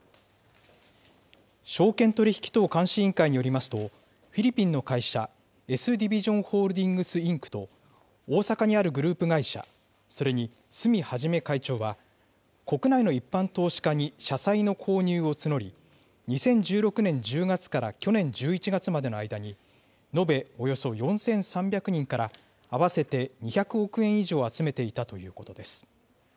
証券取引等監視委員会によりますと、フィリピンの会社、ＳＤＩＶＩＳＩＯＮＨＯＬＤＩＮＧＳＩＮＣ．と大阪にあるグループ会社、それに須見一会長は、国内の一般投資家に社債の購入を募り、２０１６年１０月から去年１１月までの間に、延べおよそ４３００人から合わせて２００億円以上集めていたということです。